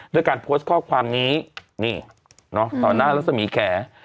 ด้วยการโพสต์ข้อความนี้นี่ต่อหน้ารัศมีแข